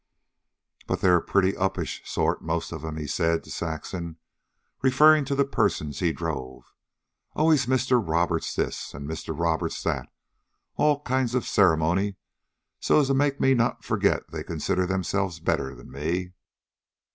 "But they're a pretty uppish sort, most of 'em," he said to Saxon, referring to the persons he drove. "Always MISTER Roberts this, an' MISTER Roberts that all kinds of ceremony so as to make me not forget they consider themselves better 'n me.